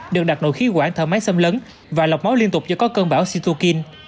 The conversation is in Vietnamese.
được đặt nội khí quản thở máy xâm lấn và lọc máu liên tục do có cơn bão situkin